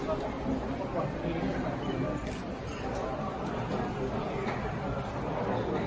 โอเคขอบคุณครับ